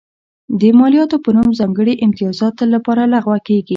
د مالیاتو په نوم ځانګړي امتیازات تل لپاره لغوه کېږي.